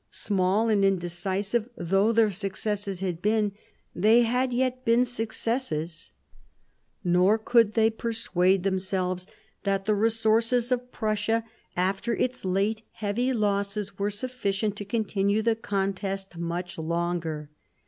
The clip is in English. Small and indecisive though their successes had been, they had yet been successes ; nor could they persuade themselves that the resources of Prussia after its late heavy losses were sufficient to continue the contest much longer.